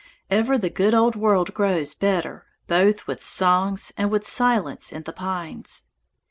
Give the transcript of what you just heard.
Ever the good old world grows better both with songs and with silence in the pines.